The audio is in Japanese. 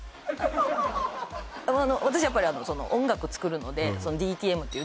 私やっぱり音楽作るのでＤＴＭっていう